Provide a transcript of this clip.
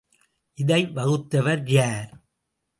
இதை வகுத்தவர் யார்?